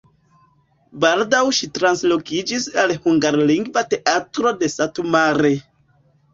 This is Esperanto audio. Baldaŭ ŝi translokiĝis al hungarlingva teatro de Satu Mare.